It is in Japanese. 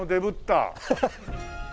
ハハハ。